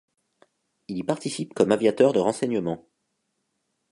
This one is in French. Il y participe comme aviateur de renseignement.